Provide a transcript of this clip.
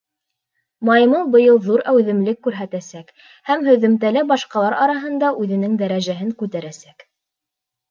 Маймыл быйыл ҙур әүҙемлек күрһәтәсәк һәм һөҙөмтәлә башҡалар араһында үҙенең дәрәжәһен күтәрәсәк.